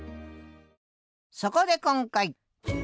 そこで今回！